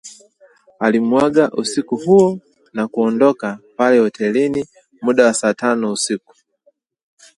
Alimuaga usiku huo na kuondoka pale hotelini muda wa saa tano usiku